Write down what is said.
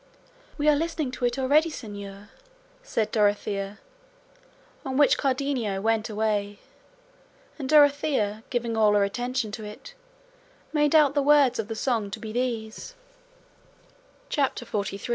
"We are listening to it already, señor," said Dorothea; on which Cardenio went away; and Dorothea, giving all her attention to it, made out the words of the song to be these: CHAPTER XLIII.